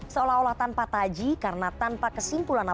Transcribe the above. selamat malam bang rey